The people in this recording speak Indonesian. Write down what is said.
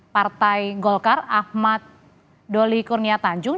partai golkar ahmad doli kurnia tanjung